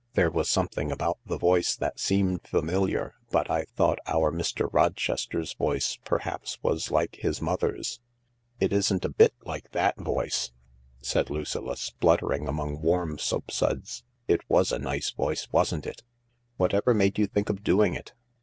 There was something about the voice that seemed familiar, but I thought our Mr. Rochester's voice perhaps was like his mother's." " It isn't a bit like that voice," said Lucilla, spluttering among warm soapsuds ;" it was a nice voice, wasn't it ?"" Whatever made you think of doing it